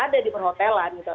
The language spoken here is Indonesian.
ada di perhotelan